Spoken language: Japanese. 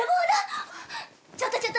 ちょっとちょっと。